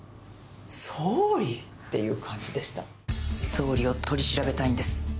総理を取り調べたいんです。